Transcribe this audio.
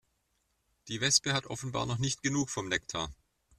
Die Wespe hat offenbar noch nicht genug vom Nektar.